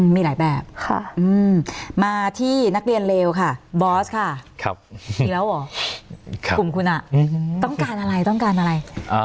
มีหลายแบบมาที่นักเรียนเรวค่ะบอสค่ะต้องการอะไร